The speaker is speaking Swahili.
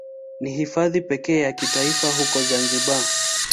Ni Hifadhi pekee ya kitaifa huko Zanzibar.